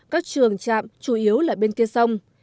các trường chạm chủ yếu là bên kia sông